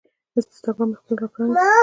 انسټاګرام مې خپل راپرانیست